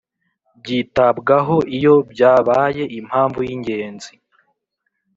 Byitabwaho iyo byabaye impamvu y’ingenzi